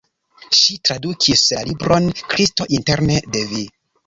Ŝi tradukis la libron "Kristo interne de vi".